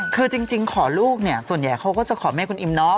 คือจริงขอลูกเนี่ยส่วนใหญ่เขาก็จะขอแม่คุณอิมเนาะ